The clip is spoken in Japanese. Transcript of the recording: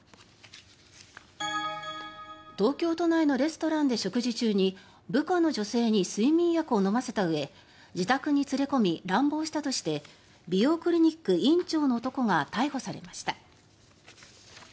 東京都内のレストランで食事中に部下の女性に睡眠薬を飲ませたうえ自宅に連れ込み乱暴したとして美容クリニック院長の男が逮捕されました。